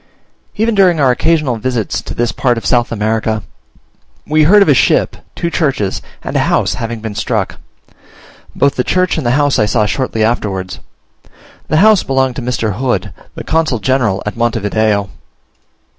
Even during our occasional visits to this part of South America, we heard of a ship, two churches, and a house having been struck. Both the church and the house I saw shortly afterwards: the house belonged to Mr. Hood, the consul general at Monte Video.